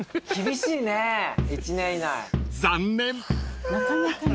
［残念］